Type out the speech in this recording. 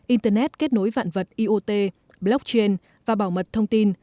internet kết nối vạn vật iot blockchain và bảo mật thông tin